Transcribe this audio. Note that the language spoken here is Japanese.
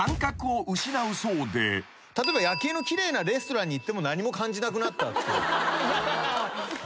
例えば夜景の奇麗なレストランに行っても何も感じなくなったっていう。